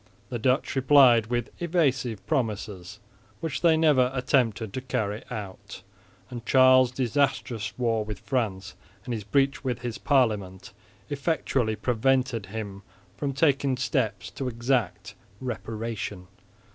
The Dutch replied with evasive promises, which they never attempted to carry out; and Charles' disastrous war with France and his breach with his parliament effectually prevented him from taking steps to exact reparation.